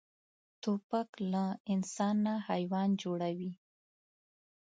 توپک له انسان نه حیوان جوړوي.